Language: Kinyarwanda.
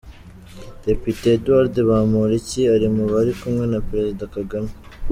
Depite Edouard Bamporiki ari mu bari kumwe na Perezida Kagame.